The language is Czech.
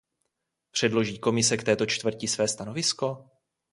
Předloží Komise k této čtvrti své stanovisko?